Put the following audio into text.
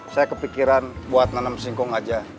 saya kepikiran buat nanam singkong aja